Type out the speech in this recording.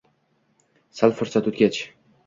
Sal fursat o'tgach: